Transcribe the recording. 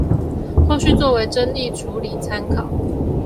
後續作為爭議處理參考